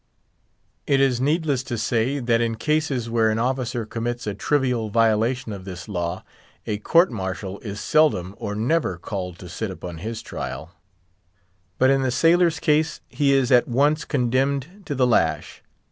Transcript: It is needless to say, that in cases where an officer commits a trivial violation of this law, a court martial is seldom or never called to sit upon his trial; but in the sailor's case, he is at once condemned to the lash.